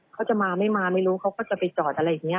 เขาจะมาไม่มาไม่รู้เขาก็จะไปจอดอะไรอย่างนี้